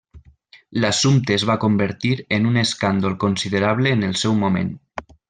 L'assumpte es va convertir en un escàndol considerable en el seu moment.